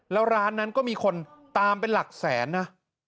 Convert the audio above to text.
แล้วร้านนั้นก็มีคนตามเป็นหลักแสนนะ